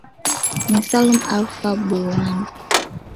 ni salum alfan baruan